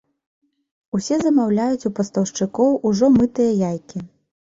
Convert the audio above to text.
Усе замаўляюць у пастаўшчыкоў ужо мытыя яйкі.